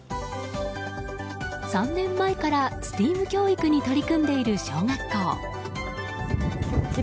３年前からＳＴＥＡＭ教育に取り組んでいる小学校。